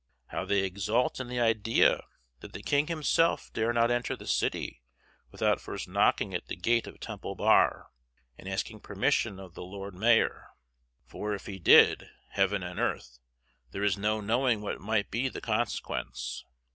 How they exult in the idea that the king himself dare not enter the city without first knocking at the gate of Temple Bar and asking permission of the Lord Mayor; for if he did, heaven and earth! there is no knowing what might be the consequence.